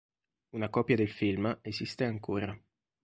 Una copia del film esiste ancora.